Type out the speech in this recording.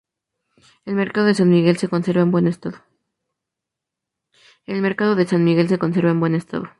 El Mercado de San Miguel, se conserva en buen estado.